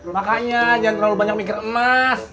makanya jangan terlalu banyak mikir emas